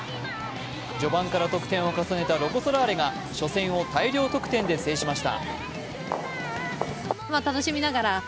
序盤から得点を重ねたロコ・ソラーレが初戦を大量得点で制しました。